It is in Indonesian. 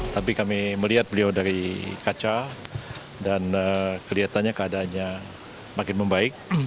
tapi kami melihat beliau dari kaca dan kelihatannya keadaannya makin membaik